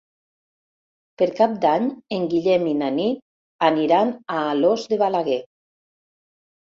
Per Cap d'Any en Guillem i na Nit aniran a Alòs de Balaguer.